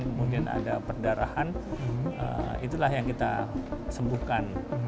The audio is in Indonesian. kemudian ada perdarahan itulah yang kita sembuhkan